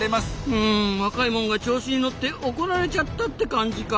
うん若いもんが調子に乗って怒られちゃったって感じか。